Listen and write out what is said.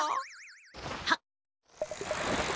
はっ。